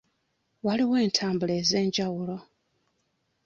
Waliwo entambula ez'enjawulo.